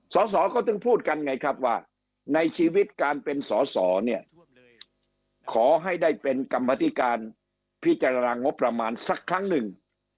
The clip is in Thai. สอสอก็ถึงพูดกันไงครับว่าในชีวิตการเป็นสอสอเนี่ยขอให้ได้เป็นกรรมธิการพิจารณางบประมาณสักครั้งหนึ่ง